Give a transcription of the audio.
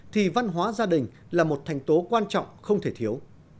thì văn hóa gia đình là một thành tố quan trọng không thể thiếu